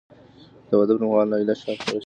د واده پر مهال نایله خپل شرط وړاندې کړ.